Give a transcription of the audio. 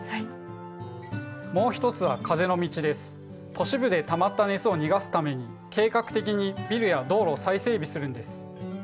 都市部でたまった熱を逃がすために計画的にビルや道路を再整備するんです。